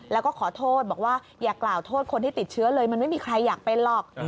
แล้วก็ขอโทษบอกว่าอย่ากล่าวโทษคนที่ติดเชื้อเลยมันไม่มีใครอยากเป็นหรอก